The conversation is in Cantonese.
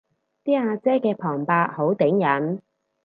啲阿姐嘅旁白好頂癮